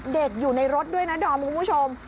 เด็กอยู่ในรถด้วยนะดอมคุณผู้ชม